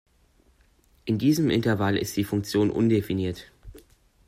In diesem Intervall ist die Funktion undefiniert.